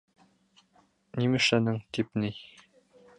Нимәшләнең тип ни...